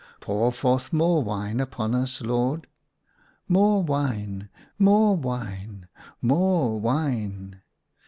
" Pour forth more wine upon us, Lord." *' More wine." " More wine." " More wine